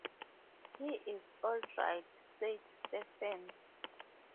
"He's all right," said Stephens.